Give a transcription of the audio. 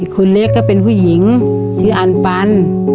คนเล็กก็เป็นผู้หญิงชื่ออันฟัน